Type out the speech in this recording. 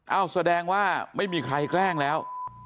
แสดงว่าไม่มีใครแกล้งแล้ว